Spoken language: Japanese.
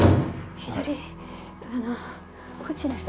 左あのこっちです